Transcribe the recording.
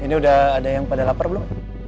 ini udah ada yang pada lapar belum